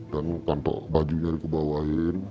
dan kantong bajunya dikebawain